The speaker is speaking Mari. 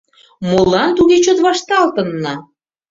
Молан туге чот вашталтынна?